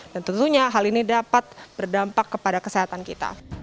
dan tentunya hal ini dapat berdampak kepada kesehatan kita